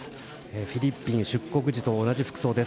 フィリピン出国時と同じ服装です。